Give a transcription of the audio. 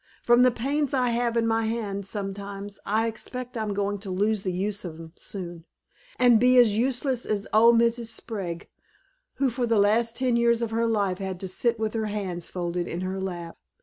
From the pains I have in my hands sometimes, I expect I'm going to lose the use of 'em soon, and be as useless as old Mrs. Sprague, who for the last ten years of her life had to sit with her hands folded in her lap.